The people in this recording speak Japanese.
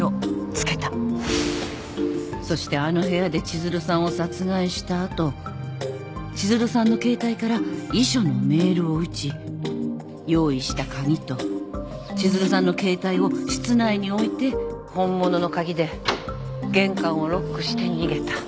そしてあの部屋で千鶴さんを殺害した後千鶴さんの携帯から遺書のメールを打ち用意した鍵と千鶴さんの携帯を室内に置いて本物の鍵で玄関をロックして逃げた。